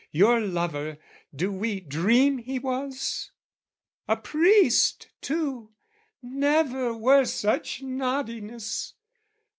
your lover, do we dream he was? "A priest too never were such naughtiness!